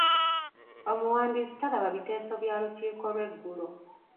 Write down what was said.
Omuwandiisi talaba biteeso bya lukiiko lw'eggulo.